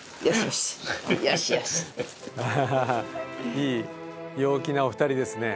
いい陽気なお二人ですね。